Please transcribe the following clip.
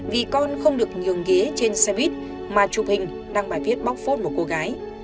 vì con không được nhường ghế trên xe buýt mà chụp hình đăng bài viết bóc phốt một cô gái